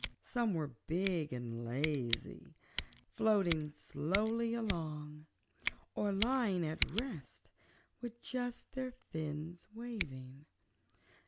Some were big and lazy, floating slowly along or lying at rest with just their fins waving.